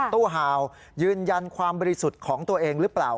ตู้ฮาวยืนยันความบริสุทธิ์ของตัวเองหรือเปล่า